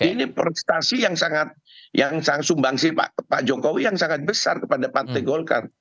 ini prestasi yang sangat sumbangsi pak jokowi yang sangat besar kepada partai golkar